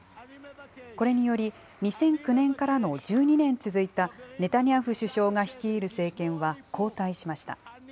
これにより、２００９年からの１２年続いたネタニヤフ首相が率いる政権は交代しました。